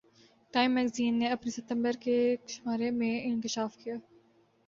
time magazine نے اپنے ستمبر کے شمارے میں انکشاف کیا